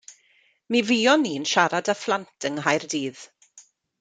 Mi fuon ni'n siarad â phlant yng Nghaerdydd.